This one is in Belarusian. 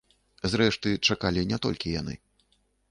Зрэшты, чакалі не толькі яны.